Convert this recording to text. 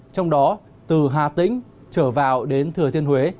trong đó từ hà tĩnh trở vào đến thừa thiên huế